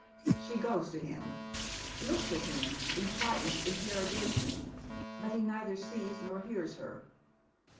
She goes to him, looks at him in frightened inter rogation ; but he neither sees nor hears her.